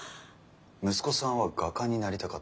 息子さんは画家になりたかったんですよね？